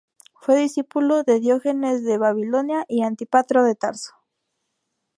Fue discípulo de Diógenes de Babilonia, y Antípatro de Tarso.